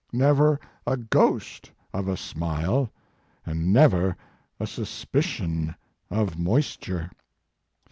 Never a ghost of a smile, and never a suspicion of moisture!